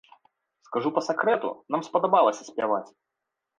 Скажу па сакрэту, нам спадабалася спяваць.